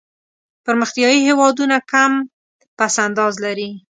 پرمختیایي هېوادونه کم پس انداز لري.